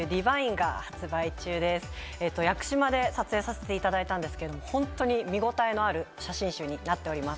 屋久島で撮影させていただいたんですけれどもホントに見応えのある写真集になっております。